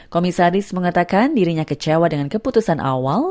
komisaris mengatakan dirinya kecewa dengan keputusan awal